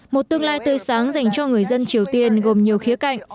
một tương lai tươi sáng dành cho người dân triều tiên gồm nhiều khía cạnh